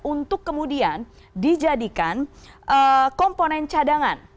untuk kemudian dijadikan komponen cadangan